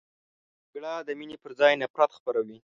جګړه د مینې پر ځای نفرت خپروي